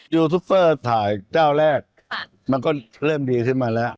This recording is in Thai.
ยูทูปเปอร์ถ่ายเจ้าแรกมันก็เริ่มดีขึ้นมาแล้ว